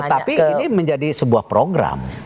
tapi ini menjadi sebuah program